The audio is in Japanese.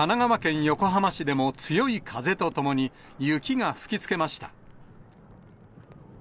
神奈川県横浜市でもえ強い風とともに、雪が吹きつけました。